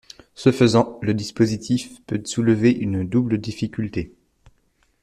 Ce faisant, le dispositif peut soulever une double difficulté.